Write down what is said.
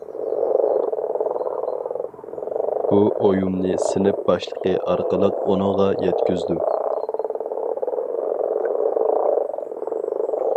بۇ ئويۇمنى سىنىپ باشلىقى ئارقىلىق ئۇنىڭغا يەتكۈزدۈم.